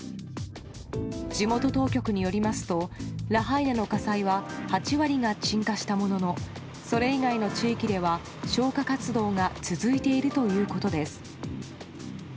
地元当局によりますとラハイナの火災は８割が鎮火したもののそれ以外の地域では消火活動が続いているということです。